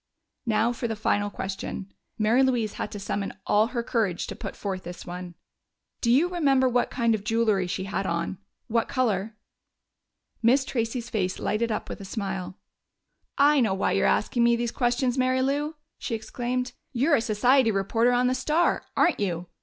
Now for the final question! Mary Louise had to summon all her courage to put forth this one. "Do you remember what kind of jewelry she had on? What color?" Miss Tracey's face lighted up with a smile. "I know why you're asking me these questions, Mary Lou!" she exclaimed. "You're a society reporter on the Star aren't you?